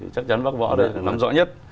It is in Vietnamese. chắc chắn bác võ là năm rõ nhất